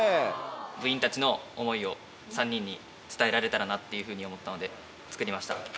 部員たちの思いを３人に伝えられたらなっていうふうに思ったので作りました。